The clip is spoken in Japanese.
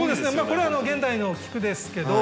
これは現代の菊ですけど。